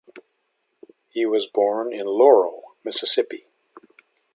He was born in Laurel, Mississippi.